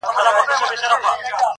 چاته که سکاره یمه اېرې یمه,